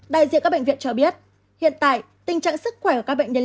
đại diện các bệnh viện cho biết hiện tại tình trạng sức khỏe của các bệnh nhân